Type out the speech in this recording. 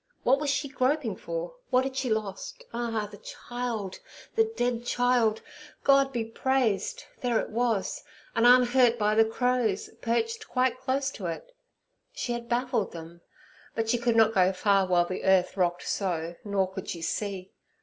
What was she groping for? What had she lost? Ah! the child—the dead child. God be praised! there it was, and unhurt by the crows, perched quite close to it. She had baffled them, but she could not go far while the earth rocked so, nor could she see.